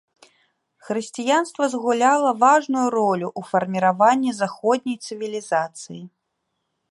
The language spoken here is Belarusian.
Хрысціянства згуляла важную ролю ў фарміраванні заходняй цывілізацыі.